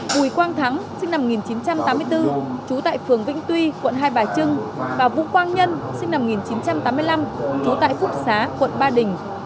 bùi quang thắng sinh năm một nghìn chín trăm tám mươi bốn trú tại phường vĩnh tuy quận hai bà trưng và vũ quang nhân sinh năm một nghìn chín trăm tám mươi năm trú tại phúc xá quận ba đình